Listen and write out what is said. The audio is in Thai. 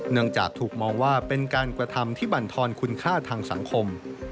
จากถูกมองว่าเป็นการกระทำที่บรรทอนคุณค่าทางสังคม